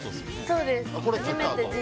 そうです。